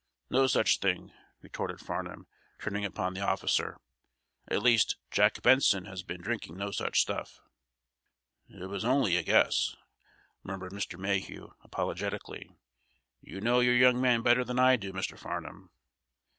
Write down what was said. "No such thing," retorted Farnum, turning upon the officer. "At least, Jack Benson has been drinking no such stuff." "It was only a guess," murmured Mr. Mayhew, apologetically. "You know your young man better than I do, Mr. Farnum."